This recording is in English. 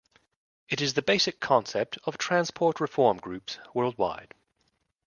It is the basic concept of transport reform groups worldwide.